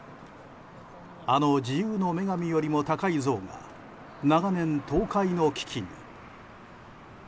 あの自由の女神よりも高い像が長年、倒壊の危機に。